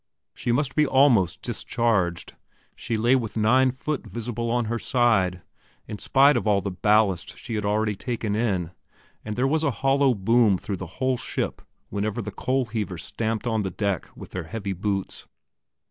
She must be almost discharged; she lay with IX foot visible on her side, in spite of all the ballast she had already taken in, and there was a hollow boom through the whole ship whenever the coal heavers stamped on the deck with their heavy boots.